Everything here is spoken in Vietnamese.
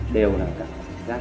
đều là cảm giác của chúng tôi